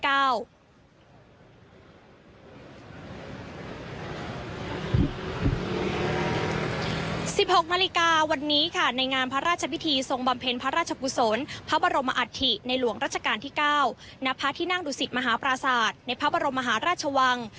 ๑๖นาฬิกาวันนี้ค่ะในงานพระราชพิธีทรงบำเพ็ญพระราชกุศลพระบรมอัฐิในหลวงรัชกาลที่๙ณพระที่นั่งดุสิตมหาปราศาสตร์ในพระบรมมหาราชวัง